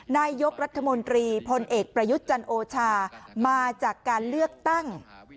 นายกรัฐมนตรีพลเอกประยุทธ์จันโอชามาจากการเลือกตั้ง